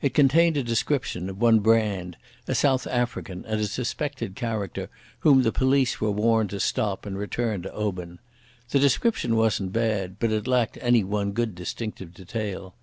It contained a description of one Brand, a South African and a suspected character, whom the police were warned to stop and return to Oban. The description wasn't bad, but it lacked any one good distinctive detail.